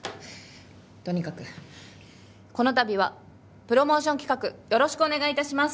とにかくこの度はプロモーション企画よろしくお願いいたします。